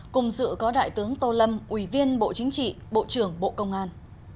cùng dự có đại tướng tô lâm ủy viên bộ chính trị bộ trưởng bộ công an